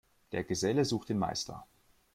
Der Geselle sucht den Meister.